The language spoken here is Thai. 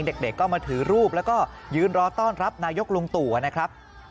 เด็กก็มาถือรูปแล้วก็ยืนรอต้อนรับนายกลุงตู่นะครับ